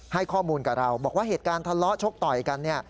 ให้ข้อมูลกับเราบอกว่าเหตุการณ์ทะเลาะชกต่อยกันเนี่ย